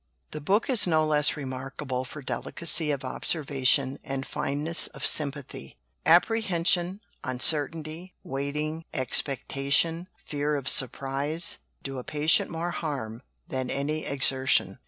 The book is no less remarkable for delicacy of observation and fineness of sympathy. "Apprehension, uncertainty, waiting, expectation, fear of surprise, do a patient more harm than any exertion.